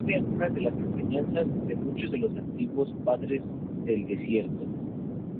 Contiene algunas de las enseñanzas de muchos de los antiguos Padres del Desierto.